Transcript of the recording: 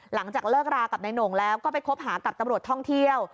หลังจากเลิกรากับนายโหน่งแล้วก็ไปคบหากับตำรวจท่องเที่ยว